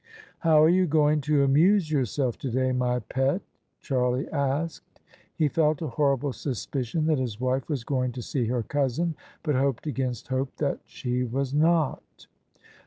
" How are you going to amuse yourself today, my pet? " Charlie asked. He felt a horrible suspicion that his wife was going to see her cousin, but hoped against hope that she was not.